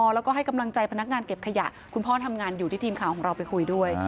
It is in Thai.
แล้วก็ให้กำลังใจพนักงานเก็บขยะคุณพ่อทำงานอยู่ที่ทีมข่าวของเราไปคุยด้วย